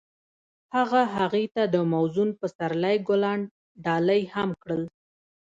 هغه هغې ته د موزون پسرلی ګلان ډالۍ هم کړل.